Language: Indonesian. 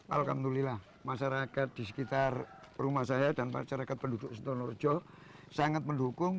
alhamdulillah masyarakat di sekitar rumah saya dan masyarakat penduduk sentonorjo sangat mendukung